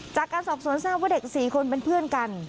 จากการสอบสวนทราบว่าเด็ก๔คนเป็นเพื่อนกัน